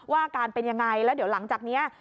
อาการเป็นยังไงแล้วเดี๋ยวหลังจากนี้